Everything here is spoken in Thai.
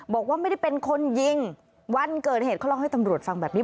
บอกว่าไม่ได้เป็นคนยิงวันเกิดเหตุเขาเล่าให้ตำรวจฟังแบบนี้